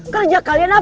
kerja kalian apa